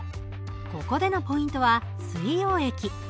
ここでのポイントは水溶液。